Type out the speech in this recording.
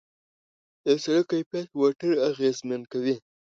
د سړک کیفیت موټر اغېزمن کوي.